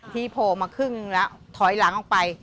โผล่มาครึ่งแล้วถอยหลังออกไป